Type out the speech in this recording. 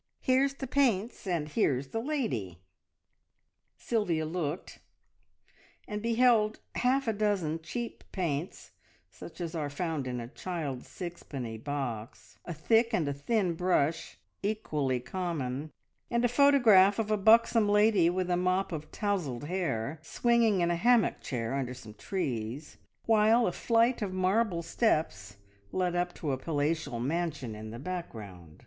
Here's the paints, and here's the lady!" Sylvia looked, and beheld half a dozen cheap paints such as are found in a child's sixpenny box, a thick and a thin brush, equally common, and a photograph of a buxom lady with a mop of tousled hair, swinging in a hammock chair under some trees, while a flight of marble steps led up to a palatial mansion in the background.